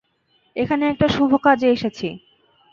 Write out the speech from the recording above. এখানে একটা শুভ কাজে এসেছি।